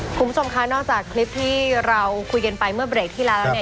คุณผู้ชมคะนอกจากคลิปที่เราคุยกันไปเมื่อเบรกที่แล้วแล้วเนี่ย